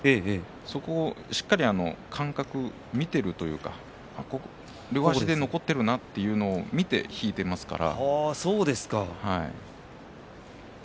そこをしっかりと間隔を見ているというか両足が残っているなというのを見て引いていますね。